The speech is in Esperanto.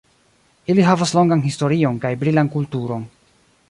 Ili havas longan historion kaj brilan kulturon.